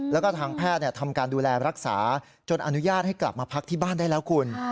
แล้วก็ทางแพทย์ทำการดูแลรักษาจนอนุญาตให้กลับมาพักที่บ้านได้แล้วคุณ